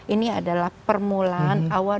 ini adalah permulaan awal